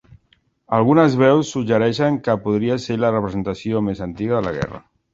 Algunes veus suggereixen que podria ser la representació més antiga de la guerra.